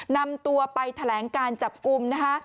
นำตัวไปแถลงการจับกลุ่มนะคะ